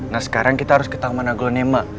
nah sekarang kita harus ke taman aglo nema